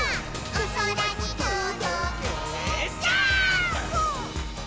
「おそらにとどけジャンプ！！」